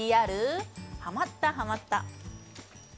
ＶＴＲハマったハマった！